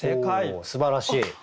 おすばらしい。